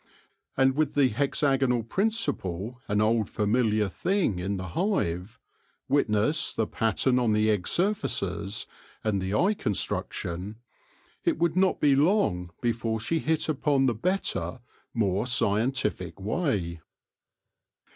And with the hexagonal principle an old familiar thing in the hive — witness the pattern on the egg surfaces, and the eye construction — it would not be long before she hit upon the better, more scientific way.